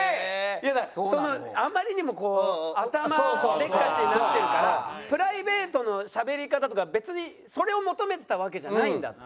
いやだからそのあまりにもこう頭でっかちになってるからプライベートのしゃべり方とか別にそれを求めてたわけじゃないんだっていう。